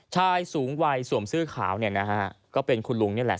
ชายสูงวัยสวมซื้อขาวก็เป็นคุณลุงนี่แหละ